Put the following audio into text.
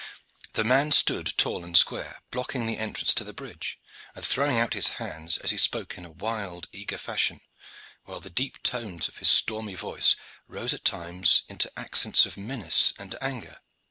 The man stood, tall and square, blocking the entrance to the bridge, and throwing out his hands as he spoke in a wild eager fashion, while the deep tones of his stormy voice rose at times into accents of menace and of anger.